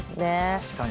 確かに。